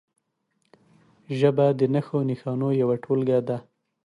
ژبه د نښو نښانو یوه ټولګه ده.